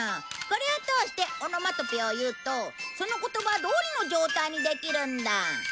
これを通してオノマトペを言うとその言葉どおりの状態にできるんだ。